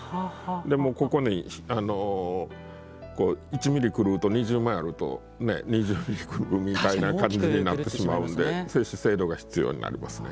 ここに１ミリ狂うと２０枚あると２０ミリ狂うみたいな感じになってしまうんで精度が必要になりますね。